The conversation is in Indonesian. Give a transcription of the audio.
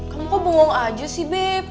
kamu kok bongong aja sih beb